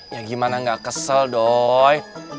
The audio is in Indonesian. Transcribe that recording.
ya gimana gak kesel dong